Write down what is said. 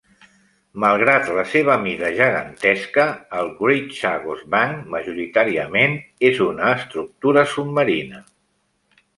Malgrat la seva mida gegantesca, el Great Chagos Bank majoritàriament és una estructura submarina.